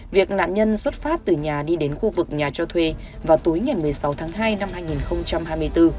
việc nạn nhân xuất phát từ nhà đi đến khu vực nhà cho thuê vào tối ngày một mươi sáu tháng hai năm hai nghìn hai mươi bốn